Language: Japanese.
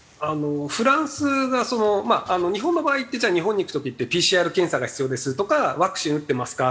フランスがそのまあ日本の場合ってじゃあ日本に行く時ってＰＣＲ検査が必要ですとかワクチン打ってますか？